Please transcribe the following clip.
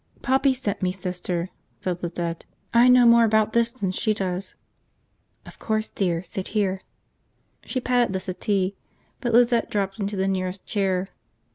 "Poppy sent me, Sister," said Lizette. "I know more about this than she does." "Of course, dear. Sit here." She patted the settee; but Lizette dropped into the nearest chair.